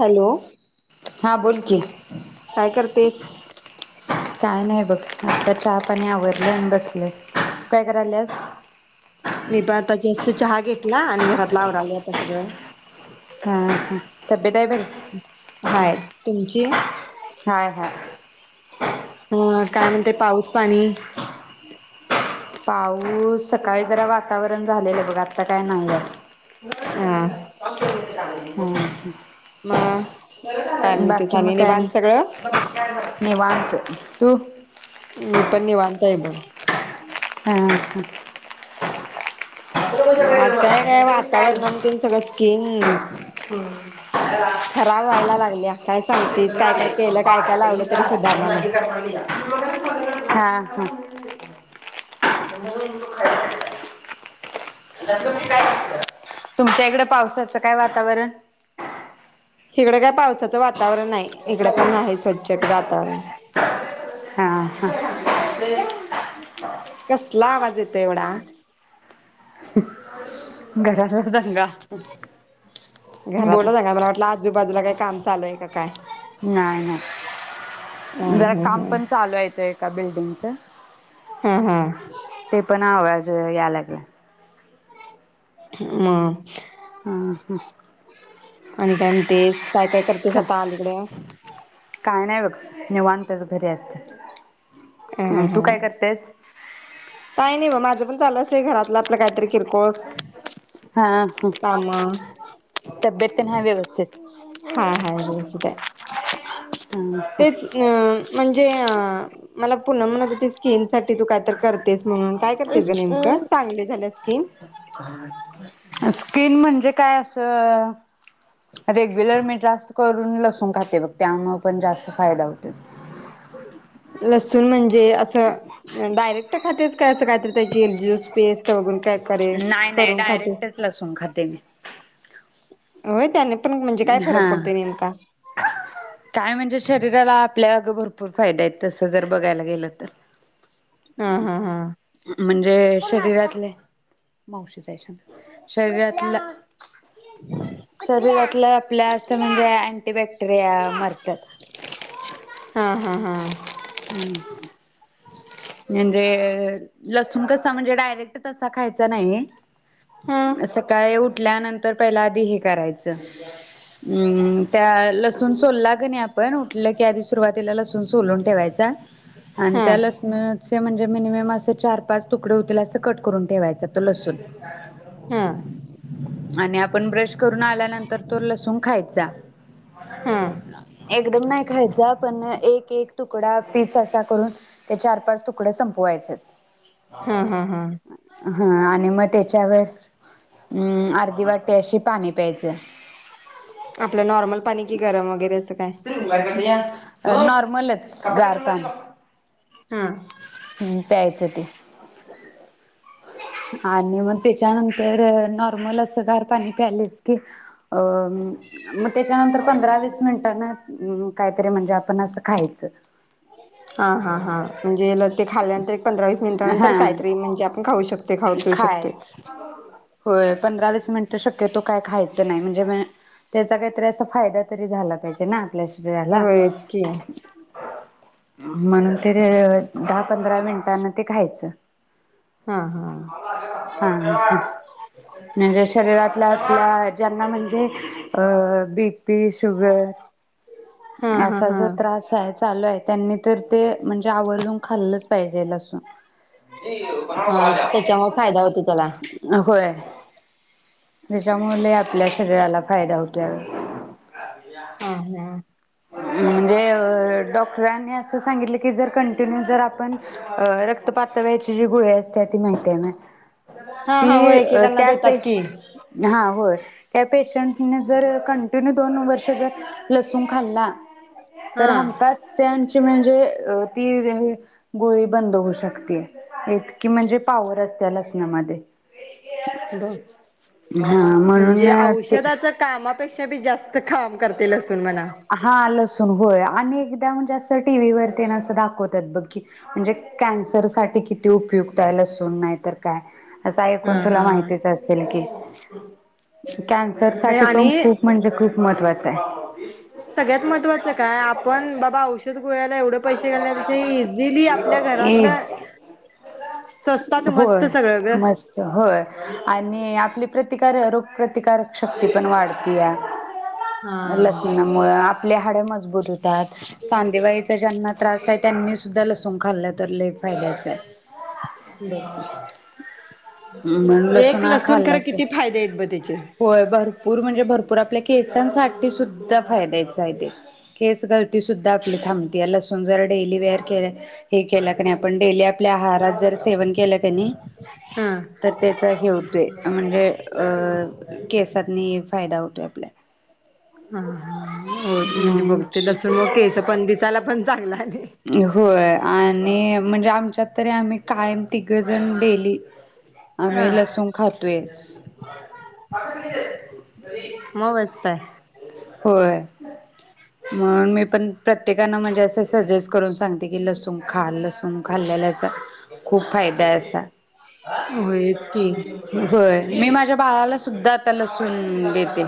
Hello हा बोलकी काय करतेस? काय नाही बघ, आता चहा पाणी आवरल अन बसले तु काय कराल्यास? मी पण आता जस्ट चहा घेतला आणि घरातल आवरालय आता सगळं हा हा तब्येत आहे बरी हाय तुमची हाय हाय हं मग काय म्हणते पाऊस पाणी पाऊस सकाळी जरा वातावरण झालेलं बघ आता काय नाहीय अ हं मग काय म्हणतेस बाकी म काय निवांत आणि सगळं निवांत तो [inaudible] मी पण निवांत हाय बग हं ह मग आज काय काय वातावरण तेन सगळं स्किन खराब व्हायला लागलीया काय सांगतीस काय काय केलं काय काय लावलं तरी सुधारणा नाही हा [unintelligible] [unintelligible] तुमच्या इकड पावसाचं काय वातावरण हिगड काय पावसाचं वातावरण नाही इकड पण आहे स थेट गातान हा हा ते कसला आवाज येतय एवढा घरातला दंगा बोल घरातलं दंगा मला वाटलं आजूबाजूला काय काम चालूय का काय नाही नाही हं जरा हं काम हं पण चालू आहे ते का बिल्डिंगच [inaudible] हा हा ते पण आवाज तो याय लागलाय ह मग ह आणि काय म्हणतेस काय काय करतेस चल आता आलीकडे काय नाही बघ निवांतच घरी असते ह तु काय करतेस काही नाही बघ माझं पण चालू असतंय घरातलं आपलं काहीतरी किरकोळ हा ह काम तब्येते न आहे व्यवस्थित हाय ते अ म्हणजे अ मला पुनम म्हणत होती स्किन साठी तू कायतरी कर झाल्या स्किन स्किन म्हणजे काय असं रेग्युलर मेट्रा असतो करून लसून खाते बघ त्यामुळे पण जास्त फायदा होतो लसूून म्हणजे असं डायरेक्ट खातेस काय असं काय तर त्याची एक ज्युस पेस्ट काय करे नाही नाही करून खातेस डायरेक्टच लसुन खाते मी हो त्यानी हा काय म्हणजे शरीराला आपल्या अग भरपूर फायदा आहेत तसं जर बघायला गेलं तर हा हा हा म्हणजे शरीरातले मावशी शरीरातल शरीरात आपल्या असं म्हणजे अँटीबॅक्टेरिया मरतात हा हा हा हम म्हणजे लसुण कसा म्हणजे डायरेक्ट तसा खायचा नाहीये हा असं काय उठ उठल्यानंतर पहिला आधी हे करायचं हम्म त्या लसुण सोलला की नाही आपण उठलं की आधी सुरुवातीला लसुण सोलुन ठेवायचा आणि हा त्या लस म्हणजे मिनिमम असे चार पाच तुकडे होतील असं कट करून ठेवायचा तो लसुण हा आणि आपण ब्रश करून आल्यानंतर तो लसुण खायचा हा एकदम नाही खायचा पण एक एक तुकडा पीस असा करून ते चार पाच तुकडे संपवायचेत हा हा हा हा आणि मग ते त्यावर हम्म अर्धी वाटी अशी पाणी प्यायचं आपलं नॉर्मल पाणी की गरम वगैरेच तिन लागलीया नॉर्मलच गार पाणी हा हम्म प्यायचं ते आणि मग तेच्यानंतर नॉर्मल असं गार पाणी प्यायलीस की अं मग तेच्यानंतर पंधरा वीस मिनिटांनं अं काहीतरी म्हणजे आपण असं खायचं हा हा हा म्हणजे‌ ल ते खाल्ल्यानंतर एक पंधरा वीस मिनिटानंतर काहीतरी म्हणजे आपण खाऊ शक हे खायाचं. होय पंधरा वीस मिनिटं शक्यतो काय खायचं नाय म्हणजे म त्याचा काहीतरी असा फायदा तरी झाला पाहिजे ना आपल्याशी होयच की म्हणून तर दहा पंधरा मिनिटानं ते खायचं. हा हा हां हां हं म्हणजे शरीरातल्या आपल्या ज्या त्यांना म्हणजे अं बी पी, शुगर हा हा असा हा जो त्रास हाय चालू हाय. त्यांनी तर ते म्हणजे आवर्जून खाल्लच पाहिजेल असं हा त्याच्यामुळे फायदा होतो त्याला अ होय. हेज्यामुले आपल्या शरीराला फायदा होतोय अगं अ हा. म्हणजे अअ डॉक सरांनी असं सांगितलं की जर कंटिन्यू जर आपण अं रक्त पातळ व्हायची जी गोळी असत्या ती माहिती हाय ना. हा हा होय ती अं एकेकांना त्या देतात पेश की हा होय त्या पे शांतुन जर कंटिन्यू जर दोन वर्ष जर लसू खाल्ला तर हा हमखास त्यांच ते म्हणजे अं ती गोळी बंद होऊ शकते इतकी म्हणजे पावर असतीया लसणामध्ये डॉक हा म्हणून म्हणजे औषधाचं कामा तशा बी जास हां, लसूण होय आणि एग त्या म्हणजे असं टी व्ही वरती ना असं दाखवतात बघ की, म्हणजे कॅन्सर साठी किती उपयुक्त आहे लसूण नाय तर काय असं हा ऐकून तुला हा माहितीच असेल की [inaudible] नाही कॅन्सरसाठी पण आणि खूप म्हणजे खूप महत्वा काय? सगळ्यात महत्वाचं काय? आपण बाबा औष डोळ्याला एवढ पैसे घालण्यापेक्षा इझिली आपल्या आहे. घरातलं एज स्वस्तात मस्त होय, सगळं ग मस्त, होय आणि आपली प्रतिकार रोग प्रतिकारक शक्ती पण वाढत्या हा. लसणामुळं आप आपली हाड मजबूत होतात, सांदीेवाईचा ज्यांना त्रास आहे त्यांनी सुद्धा लसूण खाल्लं तर लई फायद्याच आहे म्हणून एक लसूण हा खरं खाल्लाच किती पाहिजे फायदे आहेत ब त्याचे होय भरपूर म्हणजे भर पर आपल्या केसांसाठी सुद्धा फायद्याच आहे ते केस गळती सुद्धा आपली थांबते लसूण जर डेअली वेअर केला हे केला की नाही आपण डेअली आपल्या आहारात जर सेवन केलं की नई हा. तर त्याच हे होतोय म्हणजे अ केसातनी फायदा होतोय आपल्या हा, हा म्हणूनच पण दिसायला पण चांगला आणि होय आणि म्हणजे आप आमच्यात तरी आम्ही कायम तिघजण डेली आम्ही हा लसूण खातोयचं मग मस्त आहे होय मग मी पण प्रत्येकान म्हणजे असं सजेस्ट करून सांगते की लसूण खा लसूण खाल्लेलाचा खूप फायदाय असा होयच की होय मी माझ्या बाळाला सुद्धा आता लसूण देते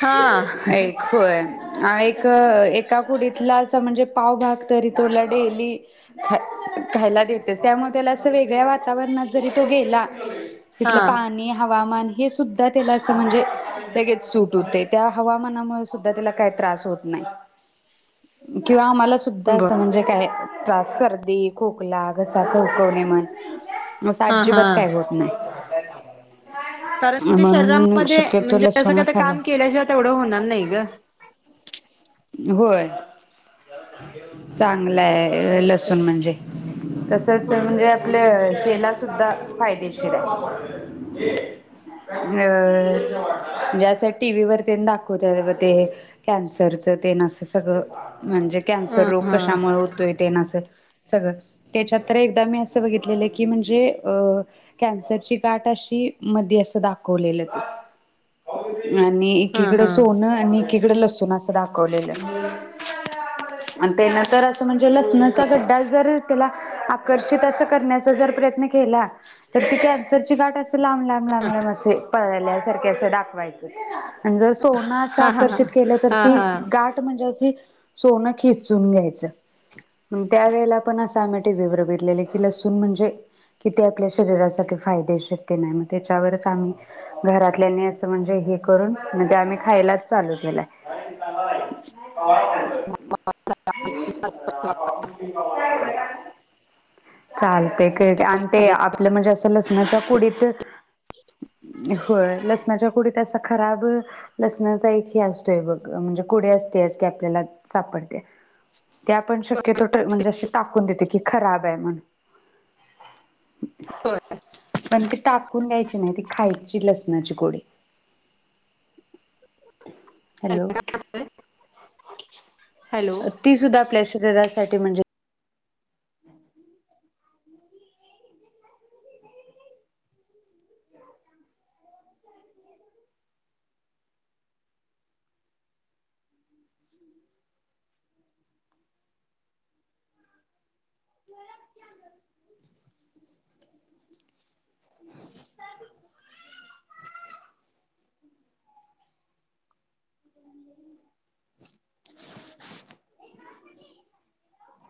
हा हा एक होय अं एक एका कुडीतला अस म्हणजे पावभाग तरी तुला डेली खायला देतेच त्यामुळे त्याला अस वेगळ्या वातावरणात जरी तो गेला तिथलं पाणी, हवामान हे सुद्धा त्याला असं म्हणजे लगेच सूट होते त्या हवामानामुळे सुधा त्याला काही त्रास होत नाही किंवा मला सुद्धा बर असं म्हणजे काय त्रास सर्दी, खोकला, घसा खवखवणे म्हण अस हा आजिबात हा. काय होत नाही [inaudible] कारण ते म्हणून शरीरामध्ये शक्यतो म्हणजे असं लसूण हा कायतरी काम खाल्लाच केल्याशिवाय तेवडं होणार नाही गं होय चां लय लसून म्हणजे तसंच म्हणजे आपल्या शेला सुद्धा फायदेशीर आहे अ म्हणजे असं टीव्हीवर तेन दाखवत्यात बघ ते कॅन्सरचं तेन असं सगळं म्हणजे कॅन्सर हा रोग हा कशामुळे होतोय तेन असं सगळं त्याच्यात तर एकदा मी असं बघितलेलं की म्हणजे अ कॅन्सरची गाठ अशी मध्ये असं दाखवलेलं ते आणि हा एकीकडं हा सोनं आणि एक तिकड लसून असल [inaudible] कोलेल्या [unintelligible] अन तेनं तर असं म्हण यो लसणाचा गड्डा जर त्याला आकर्षित अस करण्याचा जर प्रयत्न केला, तर ती कॅन्सर ची गाठ अस लांब लांब लांब लांब असे पळाल्यासारखे अस दाखवायचं. आणि जर सोनं असं हा हा आकर्षित केलं तर हा ती हा गाठ म्हणजे अशी, सोनं खेचून घ्यायचं, मग त्या वेळेला पण अस साम या टी व्ही वर बघितलेले तिला [unintelligible] म्हणजे किती आपल्या शरीरासाठी फायदेशीर तेन आहे मग त्याच्यावरच आम्ही, घरातल्यांनी असं म्हणजे हे करून म ते आम्ही खायलाच चालू केलाय. [unintelligible] [unintelligible] चालतंय क आणि ते आपलं म्हणजे असं लसणाच्या कुडीत, होय लसणाच्या कुडीत असं खराब [unintelligible] लसणाचा एक ही [unintelligible] हे बघ म्हणजे कुडी असतेयच की आपल्याला सापडतेय ते आपण शक्यतो ट म्हणजे असे टाकून देतो की खराबय म्हणून, पण ती टाकून द्यायची नाही ती खायची लसणाची कुडी, हॅलो, हॅलो ती सुद्धा आपल्या श [unintelligible] साठी म्हणजे [inaudible] [unintelligible]